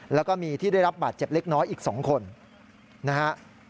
แล้วก็มีที่ได้รับบาดเจ็บเล็กน้อยอีก๒คนนะฮะ